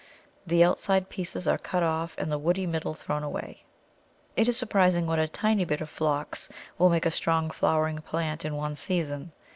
The outside pieces are cut off and the woody middle thrown away. It is surprising what a tiny bit of Phlox will make a strong flowering plant in one season.